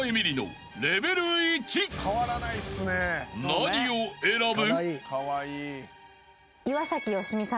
［何を選ぶ？］